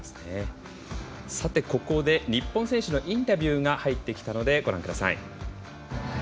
ここで、日本選手のインタビューが入ってきたのでご覧ください。